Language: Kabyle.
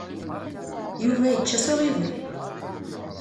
Yuba yečča s uɣiwel.